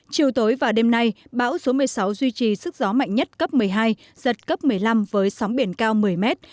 chiều tối và đêm nay bão số một mươi sáu duy trì sức gió mạnh nhất cấp một mươi hai giật cấp một mươi năm với sóng biển cao một mươi mét